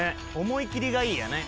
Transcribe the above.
思い切りがいいやね。